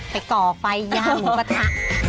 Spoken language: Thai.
ไปก่อไฟยาหมูกระทะ